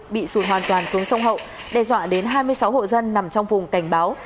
bị sụt hoàn toàn xuống sông hậu đe dọa đến hai mươi sáu hộ dân nằm trong vùng cảnh báo